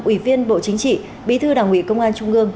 ủy viên bộ chính trị bí thư đảng ủy công an trung ương